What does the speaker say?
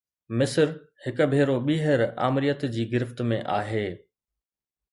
مصر هڪ ڀيرو ٻيهر آمريت جي گرفت ۾ آهي.